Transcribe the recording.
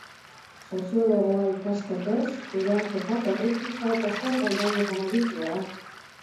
Soziologoa ikasketez, kudeaketa, berrikuntza eta sormen gaietan aditua da.